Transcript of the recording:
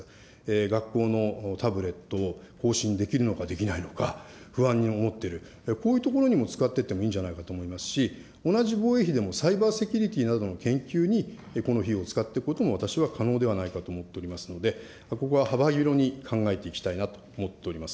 学校のタブレットを更新できるのかできないのか、不安に思ってる、こういうところにも使ってってもいいんじゃないかと思いますし、同じ防衛費でも、サイバーセキュリティなどの研究に、この費用を使っていくことも、私は可能ではないかと思っておりますので、ここは幅広に考えていきたいなと思っております。